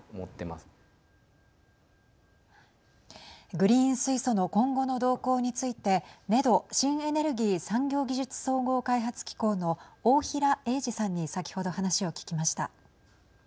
グリーン水素の今後の動向についてＮＥＤＯ＝新エネルギー・産業技術総合開発機構の大平英二さんに先ほど話を聞きました。